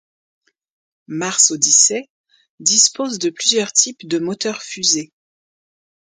Mars Odyssey dispose de plusieurs types de moteur-fusée.